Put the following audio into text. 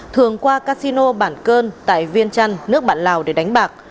thường qua casino bản cơn tại viên trăn nước bản lào để đánh bạc